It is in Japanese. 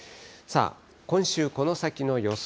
今週この先の予想